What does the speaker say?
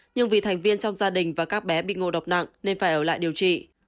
nhưng vì thành viên trong gia đình và các bé bị ngộ độc nặng nên phải ở lại điều trị